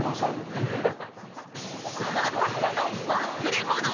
まさかの忘れ物。